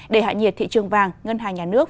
để hạ nhiệt thị trường vàng ngân hàng nhà nước